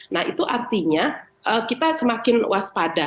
nah itu artinya kita semakin waspada